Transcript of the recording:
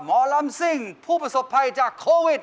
หมอลำซิ่งผู้ประสบภัยจากโควิด